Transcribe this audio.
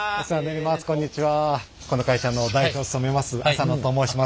この会社の代表を務めます浅野と申します。